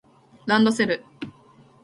ランドセル